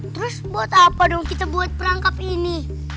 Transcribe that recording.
terus buat apa dong kita buat perangkap ini